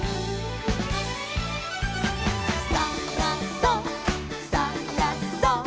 「さがそっ！さがそっ！」